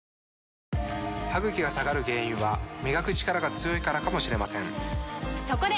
歯ぐきが下がる原因は磨くチカラが強いからかもしれませんそこで！